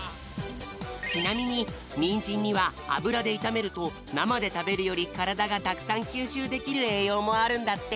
ちなみにニンジンにはあぶらでいためるとなまでたべるよりからだがたくさんきゅうしゅうできるえいようもあるんだって！